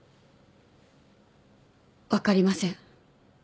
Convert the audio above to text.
分かりません。